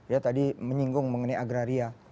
ya tadi menyinggung mengenai agraria